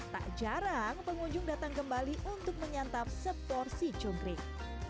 tak jarang pengunjung datang kembali untuk menyantap seporsi cungkrik